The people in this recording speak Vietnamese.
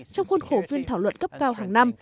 trong khuôn khổ phiên thảo luận cấp cao hàng năm